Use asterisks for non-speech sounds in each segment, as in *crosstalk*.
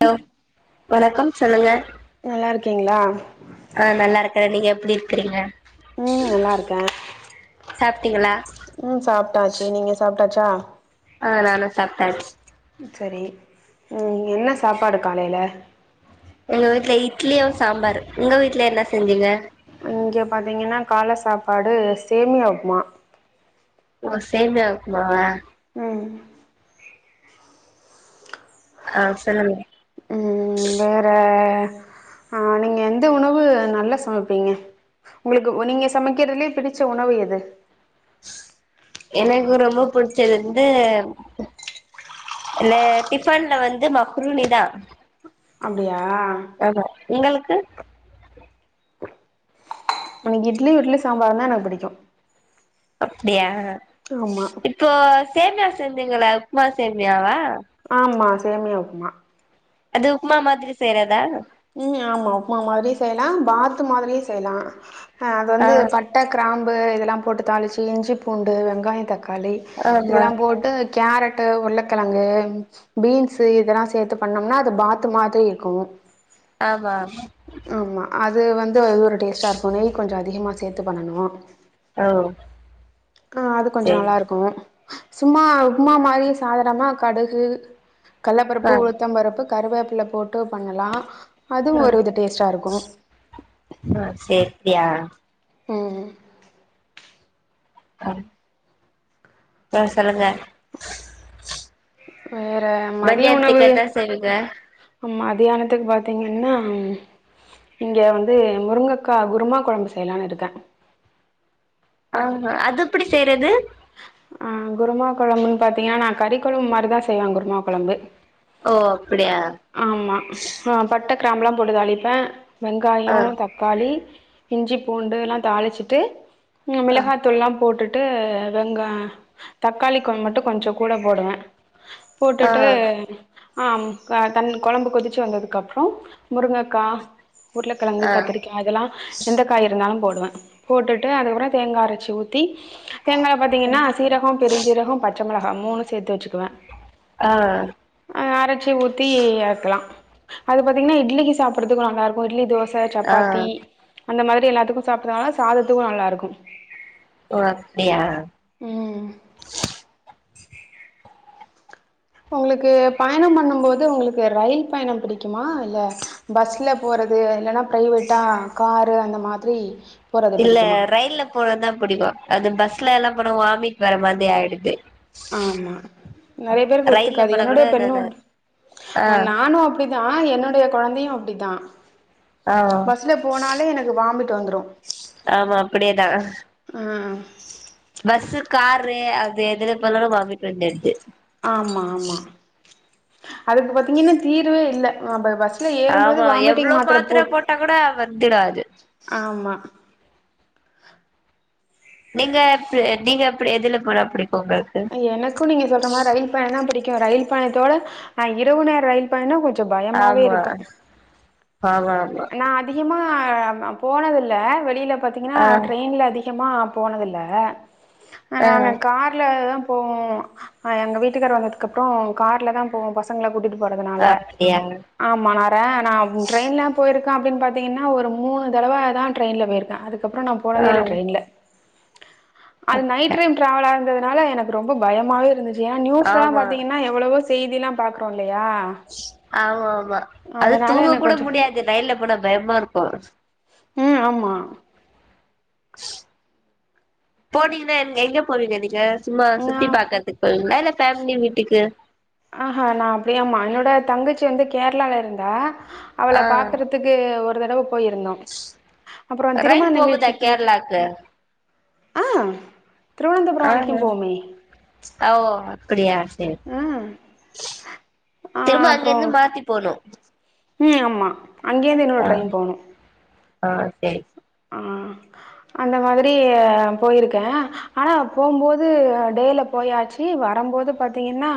Hello வணக்கம் சொல்லுங்க நல்லா இருக்கீங்களா? ஆ நல்லா இருக்கற நீங்க எப்டி இருக்கறீங்க? ம் நல்லா இருக்கே சாப்ட்டீங்களா? ம் சாப்ட்டாச்சு நீங்க சாப்ட்டாச்சா? ஆ நானு சாப்ட்டாச்சு. ம் சரி ம் என்ன சாப்பாடு காலைல? எங்க வீட்ல இட்லியும் சாம்பார் உங்க வீட்ல என்ன செஞ்சீங்க? இங்க பாத்தீங்கன்னா கால சாப்பாடு சேமியா உப்மா ஓ சேமியா உப்மாவா? ம் ஆ சொல்லுங்க. ம் வேற அது நல்ல சமைப்பேங்க. உங்களுக்கு நீங்க சமைக்கிறதுலயே பிடிச்ச உணவு எது? எனக்கு ரொம்ப புடிச்சது வந்து இந்த டிஃபன்ல வந்து மக்ருனிதா. அப்டியா ஆ உங்களுக்கு உனக்கு இட்லி இட்லி சாம்பாரு தான புடிக்கு அப்டியா இப்போ சேமியா செஞ்சீங்களா உப்மா சேமியாவா ஆமா சேமியா உப்புமா அது உப்புமா மாதிரி செய்ரதா உம் ஆமா உப்மா மாதிரியு செய்யலா பாத்து மாதிரியு செய்யலா அ அது வந்து ஆ பட்ட கிராம்பு உப்பு இதெல்லா போட்டு தாளிச்சு இஞ்சி பூண்டு வெங்காய தக் தக்காளி ஆமா இதெல்லாம் போட்டு கேரட் போட்டு உருளக்கெழங்கு பீன்ஸ் இதெலா சேத்து பண்ணோம்னா அது பாத்து மாதிரி இருக்கு ஆமா ஆமா அது வந்து அது ஒரு டேஸ்ட்டா ஆக்றதுக்கு நெய் கொஞ்ச அதிகமா செ சேத்து பண்ணணு ஒ ஆ அது கொஞ்ச நல்லா இருக்கு சும்மா உப்மா மாதிரி சாதானமா கடுகு கல்ல பருப்பு ஆ உளுத்தம் பருப்பு கருவேப்ல போட்டு பண்ணலா அதுவு ஆ ஒரு இது டேஸ்டா இருக்கு அப்டியா உம்ம் அ அ சொல்லுங்க *unintelligible* மத்தியானதுக்கு என்ன செய்வ ஆ மதியானத்துக்கு பாத்தீங்கனா இங்க வந்து முருங்கக்கா குருமா கொழம்பு செய்யலாம்னு இருக்கே ஆ அது எப்டி செய்றது ஆ குருமா கொழம்புன்னு பாத்தீங்னா நா கறிக்கொழம்பு மாரிதா செய்வே குருமா கொழம்பு ஓ அப்டியா ஆமா ஆ பட்ட கிராம்பலாம் போட்டு த அளிப்பேன் ஆ வெங்காயம் தக்காளி இஞ்சி பூண்டு எல்லாம் தாளிச்சுட்டு உம் ஆ மிளகாத்தூள் எல்லாம் போட்டுட்டு வெங்காயம் தக்காளி குழ மட்டும் கொஞ்சம் கூட போடுவேன் ஆ போட்டுட்டு ஆம் ஹ தன் குழம்பு கொதிச்சு வந்ததுக்கு அப்புறம் முருங்கக்காய் உருளைக்கெழங்கு ஆ கத்திரிக்காய் இதெல்லாம் எந்த காய் இருந்தாலும் போடுவேன் போட்டுட்டு அதுக்கப்பறம் தேங்காய் அரச்சி ஊத்தி தேங்காய பாத்தீங்கன்னா சீரகம் பெருஞ்சீரகம் பா பச்ச மிளகா மூணு சேத்து வச்சுக்குவேன் ஹா தீ ஆக்கலாம் அது பாத்தீங்கன்னா இட்லிக்கு சாப்படுறதுக்கு நல்லா இருக்கும் இட்லி தோச பாச ஆ சப்பாத்தி அந்த மாதிரி எல்லாத்துக்கும் சாப்பிட்டதனால சாதத்துக்கும் நல்லா இருக்கும் ஓ அப்டியா உங்களுக்கு பயணம் பண்ணும் போது உங்களுக்கு ரயில் பயணம் பிடிக்குமா இல்ல பஸ்ல போறது இல்லன்னா பிரைவேட்டா காரு அந்த மாதிரி போறது இல்ல பிடிக்குமா ரயில்ல போறது தா புடிக்கும் அது பஸ்ல எல்லா போன வாமிட் வர மாதிரி ஆயிடுது ஆமா நறைய பேருக்கு ரயில்ல ஒத்துக்காது போனா கூட என்னோடைய நானு பெண்ணும் ஆ ஹா நானும் அப்டிதான் என்னோட என்னோட கொலந்தையும் அப்டித்தான் ஆ பஸ்ல போனாலே எனக்கு வாமிட் வந்துரும் ஆமா அப்டியேதா ம் பஸ் காரு அது எதுல போலும் வாமிட் வந்துடுது ஆமா-ஆமா அதுக்கு பாத்தீங்கன்னா தீர்வே இல்ல ஏறும்போது ஆமா வாமிட்டிங் எவ்ளவு மாத்திர போட் போட்டா கூட வந்துடும் அது ஆமா *inaudible* நீங்க சே நீங்க எப்டி எதுல போறா அப்டி எனக்கு நீங்க சொல்றமா ரயில் பயணம் பிடிக் கு ரயில் பயணத்தோட அ இரவு நேர ரயில் பயணொ கொஞ் ச பயமாவே இருக்கு வா வா வா மா அதிகமா நா போனதில்ல வெளில பாத்தீங்கனா ஆ டிரெயின்ல அதி கமா போனதில்ல அ ஆ நாங்க கார்லதா போவோ அ எங்க வீட்டுக்கார் வந்ததுக்கப்றொ கார்ல தா போவோ பசங்கள கூட்டிட்டு போறதுனால அப்டியா ஆமா நர நா யா போயிருக்க அப்டின் பாத்தீங்கன்னா ஒரு மூணு தடவ தா ட்ரெயின்ல போயிருக்கே அதுக் அப்றோ நா போனதே ஆ இல்ல ட்ரெயின்ல அது நைட் ஆமா டைம் டிராவலா இருந்தத னால எனக்கு ரொம்ப பயமாவே இருந்து யே நியூஸ்லாம் ஆமா பாத்தீங்கன்னா எவ்வளவோ செய்திலா பாக்குறோல் லயா ஆமா மா அது தூங்க கூட முடியாது ரயில்ல போனா பயமாருக்கு ம் ஆமா போனீங்னா என் எங்க போவீங்க நீங்க? சும்மா சுத்தி நா பாக்கற்துக் போவீங்ளா இல்ல ஃபேமிலி வீட்டுக்கு ஆஹா நா அப்டியம்மா என்னோட தங்கச்சி வந்து கேரளால இருந்தா ஆ அவள பாக்குறத்துக்கு ஒ ரு தடவ போயிருந்தோ அப்புறொ திருமண ரயில் போகுதா நிகழ்ச்சிக்கி கேரளாக்கு ஆ திருவனந்தபுரம் வரைக்கு ஆஹ போவுமே ஓ அப்பிடியா ஆ *unintelligible* ஆ திரும்ப அப்புறோ அங்கேர்ந்து மாத்தி போ னு ம் ஆமா அங்கேருந்து இன்னொரு ட்ரெயின் போனு ஆ சேரி ஆ அந்த மாதிரி போயிருக்கே ஆனா போம்போது டேல போயாச்சி வரம்போது பாத்தீங்கன்னா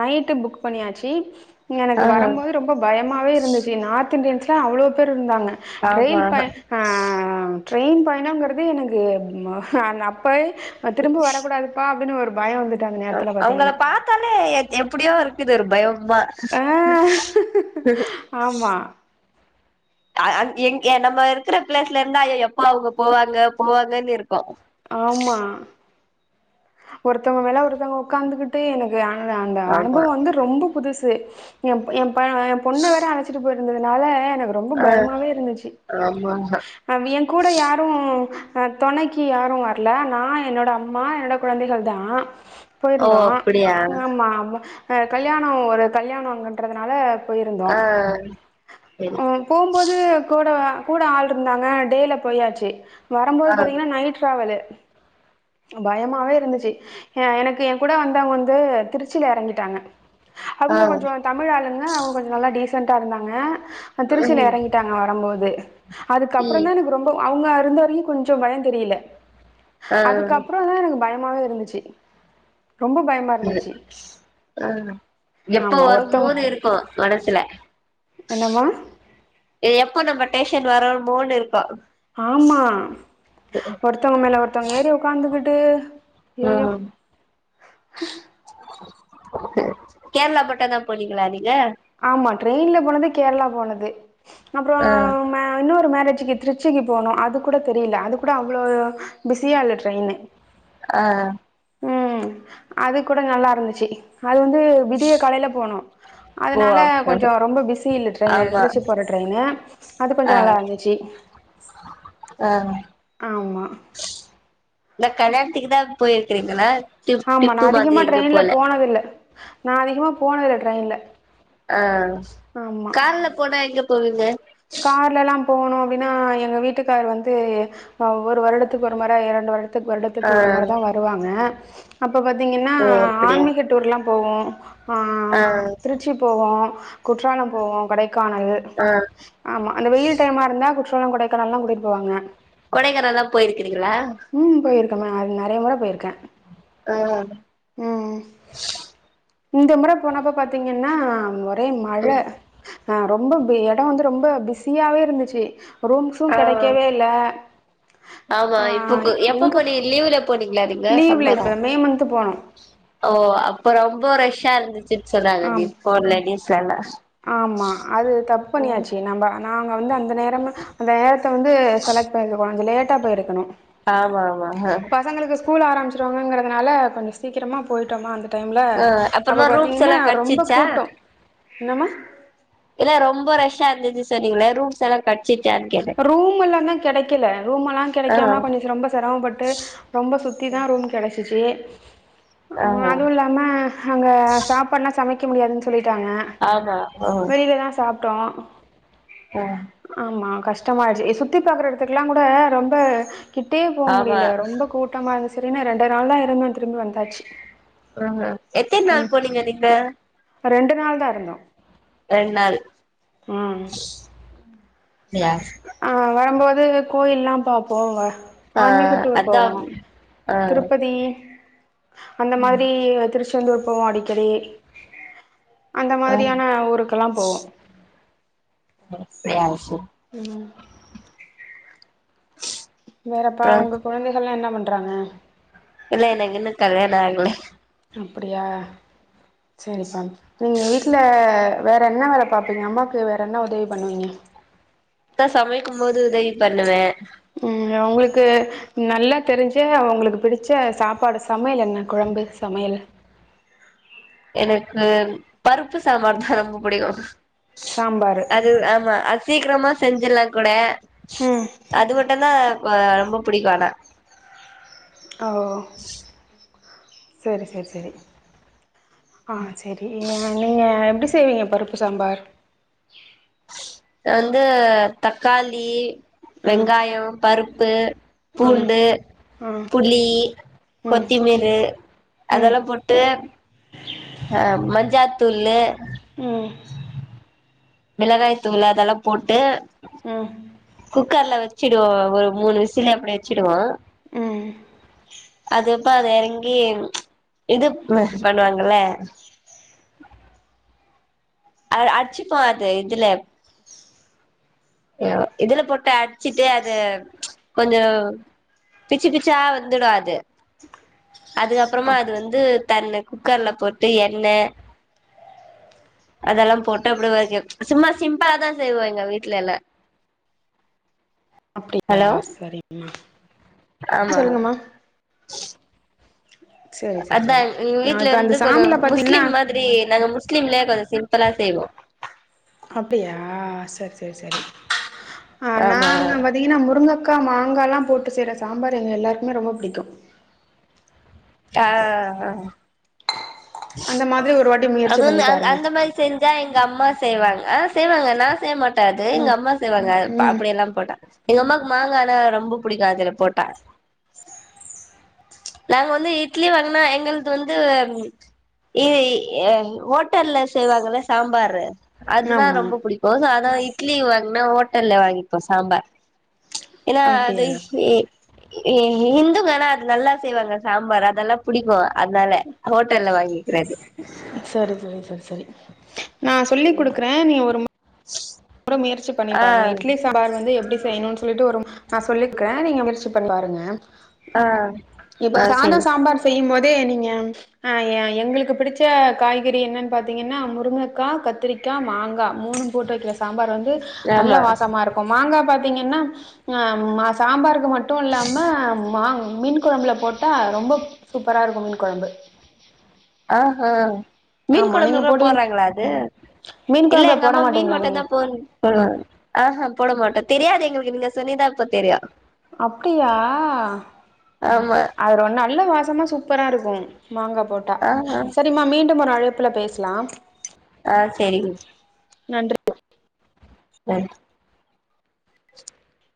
நைட்டு புக் பண்ணியாச்சி எனக்கு ஆ வரம்போது ரொம்ப பயமாவே இருந்துச்சு நார்த் இன்டியன்ஸ் தா அவ்ளோ பேர்ருந்தாங்க ரயில் ஆமா ப ஆ ட்ரெயின் பயணொங்குறது எனக்கு ந பொய் அ திரும்ப வரக்கூடாதுப்பா அப்டின் ஒரு பய வந்து அவுங்கள பாத்தாலே எப்புடியோ இரு க்குது ஒரு பயொ ஆ ஆமா அ அங் எங் எ நம்ம இருக்குற ப்ளேஸ்ல இருந்து ஐயோ எப்போ அவுங்க போவாங்க போவாங்கன் இருக் ஆமா ஒருத்தவ்ங்க மேல ஒருத்தங்க ஒக்காந்துகுட்டு எனக்கு அ இல்ல அந்த ஆமா அனுபவ வந்து ரொம்ப புதுசு எம்ப எம் ப எ பொண்ண வேற அழச்சிட்டு போயி ருந்ததுனால எனக்கு ரொம்ப ஆ பயமாவே இருந்துச்சி ஆமா அ எ கூட யாரு அ தொணக்கி‌ யாரு வர்ல நா என்னோட அம்மா என்னோட கொழந்தைகள் தா ஓ போயிருந்தோ அப்படியா ஆமா ஆமா அ கல்யாணொ ஒரு கல்யாணொ அங்கன்றதுனால போயிருந்தோ ஆ சரி அ போம்போது கூடவ கூட ஆள்ருந்தாங்க டேல போயாச்சு வரம்போது ஆ பாத்தீங்கனா நைட் ட்ராவலு பயம் சும்மாவே இருந்துச்சி எ எனக்கு எங்கூட வந்தவங்க வந்து திருச்சில எறங்கிடாங்க ஆ அவுங்க கொஞ்சோ தமிழ் ஆளுங்க அவுங்க கொஞ்சோ நல்லா டீஸ் டீசண்டா இருந்தாங்க அ திருச்சில ம் எறங்கிடாங்க வரும்போது ம் அதுக்கப்புறந்தா எனக்கு ரொம்ப அவுங்க இருந்த வரையு கொஞ்சோ பயோ தெரியல ஆ அதுக்கப்புறோ தா எனக்கு பயமாவே இருந்துச்சி ம் ம் ஆ எப்போ ஆமா வரும் ஒருத்தவங்க போது இருக்கும் மனசுல என்னம்மா எப்ப நம்ம டேஷன் வரமோன்னு இருக்கும் ஆமா ஒருத்தவுங் மேல ஒருத்தவுங் ஏறி உக்காந்துகிட் டு ஆ கேரளா பட்ட தா போனீங்ளா நீங் ஏ ஆமா ட்ரெயின்ல போனது கேரளா போனது அப்றோ ஆ ம இன்னொரு மேரேஜ் இன்னிக்கி திருச்சிக்கு போனோ அது கூட தெரில அது கூட அவ்ளோ பிஸியா இல்ல ட்ரெயினு ஆ ம் அது கூட நல்லாருந்துச்சி அது வந்து விடிய காலேல போனோ ஓ அதனால கொஞ்சோ ரொம்ப பிஸி இல்ல ட்ரெயினு ஆமா திருச்சி போற ட்ரெயின்னு அது கொஞ்சோ ஆ நல்லா இருந்துச்சி ஆ ஆமா இந்த கல்யாணத்திக்கு தா போயிர்கிறீங்களா ஆமா நா அதிகமா ட்ரெயின்ல போனதில்ல நா அதிகமா போனதில்ல ட்ரெயின்ல அ ஆமா கார்ல போனா எங்கப் போவீங்க போணு அப்டினா எங்க வீட்டுக்கார் வந்து ஒரு வருடத்துக்கு ஒரு மற இரண்டு வரு துக் வருடத்துக்கு ஆ ஒரு மற தா வருவாங்க இப்ப பாத்தீங்கனா ஓ அப்படியா ஆன்மீக டூர்லாம் போவோ ஆ திருச்சி போவோ குற்றாலம் போவோ கொடை க்கானலு ஆ ஆமா அங்க வெயில் டைம்மா இருந்தா குற்றால கொடைக்கானல்லா கூட்டிட்டு போவாங்க கொடைக்கானல் தா போயிருக் கிறீங்களா அ அது நெறய மொற போயிருக்கே அ ம் இந்த மொற போனப்ப பாத்தீங்கன்னா ஒரே மழ ம் ஆ ரொம்ப எட வந்து ரொம்ப பிஸியாவே இருந்துச்சு ரூம்ஸு ஆ கெடைக்கவே இல்ல ஆ எங்க போனீங்ளா நீங்க லீவ்ல சம்மரோ இப்ப மே மந்த்து போனோ ஓ அப்ப ரொம்ப ரஷ் ரஷ்சா இருந்துச்சு ஆம் *unintelligible* தெர்ல ஆமா அது கட் பண்ணியாச்சு நம்ம நா வந்து அந்த நேரம் அந்த நேரத்த வந்து செலெக்ட் பண்ணிருவாங்க குவிக்கா போயிர்கணு ஆமா ஆமா அஹ ஸ்கூல் ஆரம்பிச்சிருவாங்க கிறதுனால கொஞ்சோ சீக்கிரமா போயிட்டோமா அந்த டைம்ல ஆ அப்ப அப்புறமா ரூம்ஸ் பாத்தீங்னா எல்லா ரொம்ப கெடச்சிச்சா கூட்டோ என்னமா இல்ல ரொம்ப ரஷ்ஷா இருந்துச்சு சொன்னீங்ள ரூம்ஸ் எலாம் கட் ரூமெல்லாமே கெடைக்கல ரூம் எல்லா ஆ கெடைக்காம கொஞ்ச ரொம்ப சிரமப்பட்டு ரொம்ப சுத்தி தா ரூம் கெடச் *unintelligible* ஆ அதுவு இல்லாம அங்க சாப்பாடுலா சமைக் க்கா முடியாதுனு சொ சொல்லிடாங்க ஆமா ஆ வெளியிலதா சாப் டோ ஆ ஆமா ஷ்டமாயிடுச்சி சுத்தி பாக்குற இடத்துக்குலா கூட ரொம்ப கிட்டே போ ஆமா முடில ரொம்ப கூட்டமா இருந் சேரினு ரெண்டு நாள்தா இருந்தன் திரும்பி வந்தாச்சி ஆ எத்தநாள் போனீங்க நீங்க ரெண்டு நாள் தா இருந்தோ ரெண்நாள் ஆ கிளாஸ் வரும்போது கோயில்லா பாப்போங்க ஆ அத்தா திருப்பதி அந்த மாரி வதிருச் திருந்தூர் போவோ அடிக்கடி அந்த ஆ மாரியான ஊருக்குலா போவோ *unintelligible* ம் வேறப்பா அப்புறோ உங்க குழந்தைகள்லா என்ன பண் ட்றாங்க இல்ல எனக்கு இன்னு கல்யாணோ ஆகல அப்பிடியா சேரிப்பா நீங்க வீட்டுல வேற என்ன வேல பாப்பீங்க அம்மாக்கு வேற என்ன உதவி பண்ணுவிங்க அத்தா சமைக்கு போது உதவி பண்ணுவே ம் உங்களுக்கு நல்லா தெரிஞ்ச அவங்களுக்கு பிடிச்ச சாப்பாடு சா சமையலென்ன கொழம்பு சமையலு எனக்கு பருப்பு சாம்பாருதா ரொம்ப புடிக்கு சாம்பாரு அது ஆமா அ சீக்ரமா செஞ்சிடலா கூட ம் அது மட்டுதா அ ரொம்ப புடிக்கு ஆனா ஓ சேரி சேரி சேரி ஆ சரி நீங்க வந்து எப்டி செய்வீங்க பருப்பு சாம்பார் வந்து தக்காளி ம் வெங்காயோ பருப்பு உப்பு ம் பூண்டு ம் புளி ம் கொத்தமீறு ம் அதெல்லா போட்டு அ மஞ்சாத்தூளு உம் மிளகாய் தூளு அதெலா போட்டு ம் குக்கர்ல வச்ச வச்சிடுவோ ஒரு மூனு விசில் அப்டி வச்சிடுவோ உம் அப்ப இறங்கி இது பண்ணுவாங்கல அ அடிச்சுப்போ அது இதுல இதுல போட்டு அடுச்சிட்டு அது கொஞ்ச பிச்சு பிச்சா வந்துடோ அது அதுக்கப்றமா அ அது வந்து தன்ன குக்கர்ல போட்டு எண்ண அதெல்லா போட்டு அப்டி சும்மா சிம்பிளாதா செய்வோ எங்க வீட்டுயேல்ல அப்டியா சரிங்கம்மா ஆமா சொல்லுங்கம்மா செரி செரி அதா செரி எங்க வீட்ல இப்ப அந்த வந்து கொஞ்ச சாம்பல பாத்தீங்கன்னா முஸ்லீம் மாதிரி நாங்க முஸ்லீம்ல சிம்பிளா செய்வோ அப்டியா சரி சரி சரி ஆ ஆமா நாங்க பாத்திங்கனா முருங்க அக்கா மாங்காலா போட்டு செய்ற சாம்பாரு எங்க எல்லாருக்குமே ரொம்ப பிடிக்கு ஆ ஆ ஆ அந்த மாதிரி ஒரு வாட் அது அ அந்த மாதிரி செஞ்சா எங்க அம்மா செய்வாங்க செய்வாங்க நா செய்யமாட்டே அது எங்க ம் அம்மா செய்வாங்க ம் அப்டியெல்லாம் போட்டா எங்க அம்மாக்கு மாங்கானா ரொம்ப புடிக்கும் அதுல போட்டா நாங்க வந்து இட்லி வாங்னா எங்கள்து வந்து ம் இ இ ஏ ஹோட்டல்ல செய்வாங்கலா சாம்பரு அதுதா ஆமா ரொம்ப புடிக்கும் சோ அ நா இட்லி வாங்கன ஓட்டல்ல வாங்கிப்பே சாம்பார் ஏனா அது *unintelligible* அப்டியா இ இ இந்துங்கனா நல்லா செய்வாங்க சாம்பார் அதெல்லா புடிக்கும் அதனால ஹோட்டல்ல வாங்கிக்கற ஸ் சரி சரி சரி சரி நா சொல்லி குடுக்குறே நீ ஒரு ம அப்புற முயற்ச்சி பண்ணி ஆ பாருங்க இட்லி சாம்பார் வந்து எப்டி செய்யணுன் சொல்லிட்டு ஒரு மு நா சொல்லிக்றே நீங்க முயற்ச்சி பண்ணி பாருங்க ஆ இப்ப ஆ சாத சரி சாம்பார் செய்யும் போது அதே நீங்க ம் ஆ ஏ எங்களுக்கு பிடிச்ச காய்கறி என்னன் பாத்தீங்கன்னா முருங்கக்கா கத்திரிக்கா மாங்கா மூணும் போட்டு வைக்கிற சா சாம்பார் வந் து நல்ல ஆமா வாசமா இருக்கும் மாங்கா பாத் திங்கன்னா ஆ ம் மா சாம்பாரு மட்டு இல்லாம மாங் மீன் கொழம்புல போட்டா ரொம்ப ப் சூப்பரா இருக்கும் மீன் கொழம்பு அ ஆஹ மீன் ஆமா கொழம்புல நீங்க கூட போடுவீங் போடறாங்களா அது மீன் இல்ல கொழம்புல எங்க போட அம்மா மீன் மாட்டீங்களா மட்டு நீங்க தா போ போடுவா ஆஹா போடமாட்ட தெரியாது எங்களுக்கு நீங்க சொல்லிதா இப்ப தெரியு அப்டியா ஆமா அதுலா ஒன் நல்ல வாஸ் சுத்தமா சூப்பரா இருக்கும் மாங்கா போட்டா ஆ ஆ சரிம்மா மீண்டும் ஒரு அழைப் ல பேசலாம் ஆ செரிங் நன்றி *inaudible*